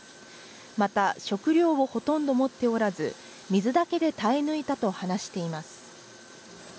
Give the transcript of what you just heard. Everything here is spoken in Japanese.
また、食料をほとんど持っておらず、水だけで耐え抜いたと話しています。